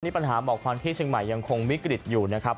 นี่ปัญหาหมอกควันที่เชียงใหม่ยังคงวิกฤตอยู่นะครับ